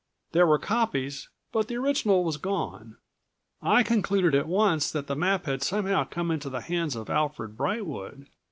There were copies, but the original was gone. "I concluded at once that the map had somehow228 come into the hands of Alfred Brightwood.